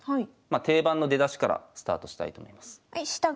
定番の出だしからスタートしたいと思います。